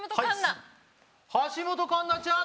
橋本環奈ちゃん